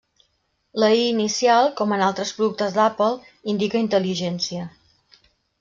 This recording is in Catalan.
La i inicial, com en altres productes d'Apple, indica intel·ligència.